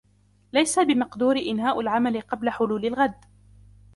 ليس بمقدوري إنهاء العمل قبل حلول الغد.